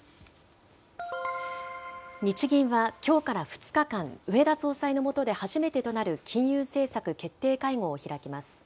日銀はきょうから２日間、植田総裁のもとで初めてとなる金融政策決定会合を開きます。